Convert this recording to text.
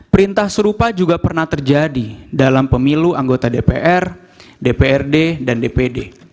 perintah serupa juga pernah terjadi dalam pemilu anggota dpr dprd dan dpd